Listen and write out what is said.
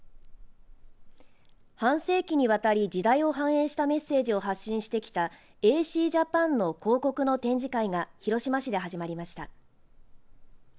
半世紀にわたり時代を反映したメッセージを発信してきたＡＣジャパンの広告の展示会が広島市で始まりました。